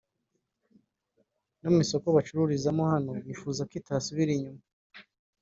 no mu isoko bacururizamo naho bifuza ko itasubira inyuma